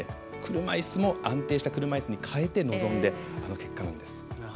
車いすも安定した車いすに変えて臨んで、あの結果なんです。